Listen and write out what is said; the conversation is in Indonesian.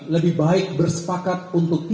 lebih baik bersepakat untuk tiba tiba